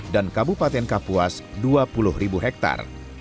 dan kabupaten kapuas dua puluh hektare